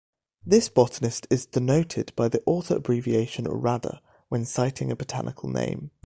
This botanist is denoted by the author abbreviation Radde when citing a botanical name.